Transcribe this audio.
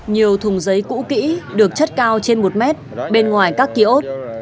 nhiều thùng giấy cũ kỹ được chất cao trên một mét bên ngoài các ký ốt